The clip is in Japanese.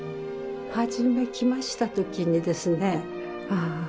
初め来ました時にですねああ